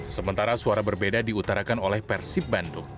sementara suara berbeda diutarakan oleh persib bandung